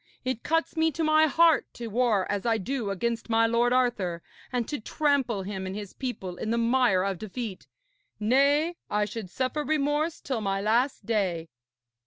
It cuts me to my heart to war as I do against my lord Arthur, and to trample him and his people in the mire of defeat nay, I should suffer remorse till my last day.'